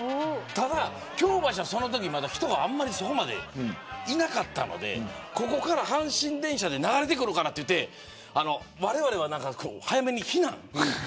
ただ、京橋はそのとき人があんまりいなかったのでここから阪神電車で流れてくるかなと思ってわれわれは早めに避難。